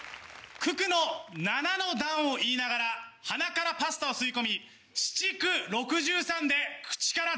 九九の７の段を言いながら鼻からパスタを吸い込み７×９＝６３で口から出す男。